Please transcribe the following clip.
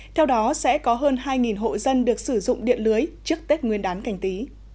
theo đó sẽ có hơn hai hộ dân được sử dụng điện lưới trước tết nguyên đán canh tí